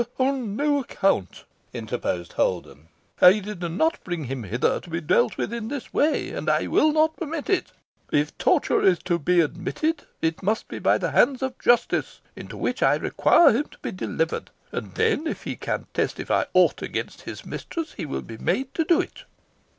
"On no account," interposed Holden. "I did not bring him hither to be dealt with in this way, and I will not permit it. If torture is to be administered it must be by the hands of justice, into which I require him to be delivered; and then, if he can testify aught against his mistress, he will be made to do it."